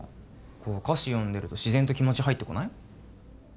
こう歌詞読んでると自然と気持ち入ってこない？